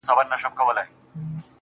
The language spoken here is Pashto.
o شراب لس خُمه راکړه، غم په سېلاب راکه.